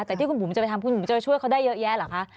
แต่ที่คุณบุ๋มจะไปทำคุณบุ๋มจะช่วยเขาได้เยอะแยะเหรอคะ